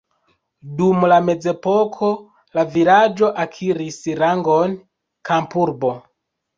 Dum la mezepoko la vilaĝo akiris rangon kampurbo.